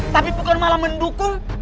tapi bukan malah mendukung